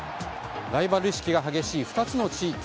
ライバル意識が激しい２つの地域。